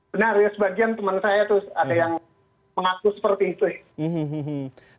benar ya sebagian teman saya tuh ada yang mengaku seperti itu ya